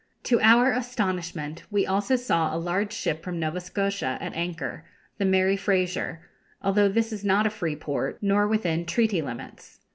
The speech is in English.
To our astonishment, we also saw a large ship from Nova Scotia at anchor, the 'Mary Fraser,' although this is not a free port, nor within treaty limits.